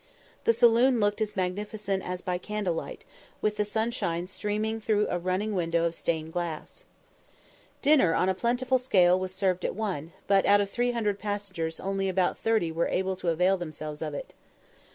The saloon looked as magnificent as by candle light, with the sunshine streaming through a running window of stained glass. Dinner on a plentiful scale was served at one, but out of 300 passengers only about 30 were able to avail themselves of it.